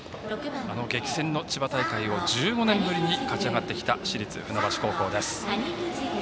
激戦の千葉大会を１５年ぶりに勝ち上がってきた市立船橋高校です。